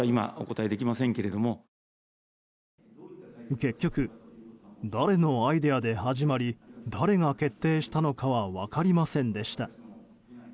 結局、誰のアイデアで始まり誰が決定したのかは分かりませんでした。